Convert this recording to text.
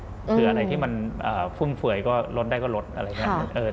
คืออะไรที่มันเฟื่องเฟื่อยก็ลดได้ก็ลด